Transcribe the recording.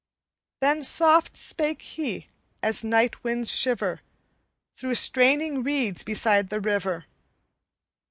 Then soft spake he, as night winds shiver Through straining reeds beside the river.